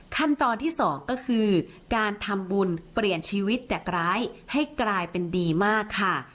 ขั้นตอนที่สองก็คือการทำบุญเปลี่ยนชีวิตจากร้ายให้กลายเป็นดีมากค่ะ